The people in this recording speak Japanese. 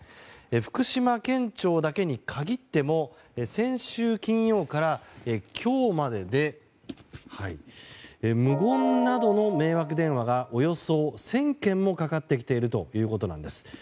福島県庁だけに限っても先週金曜から今日までで無言などの迷惑電話がおよそ１０００件もかかってきているということなんです。